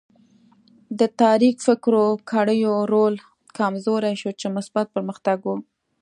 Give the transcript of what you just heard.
د تاریک فکرو کړیو رول کمزوری شو چې مثبت پرمختګ و.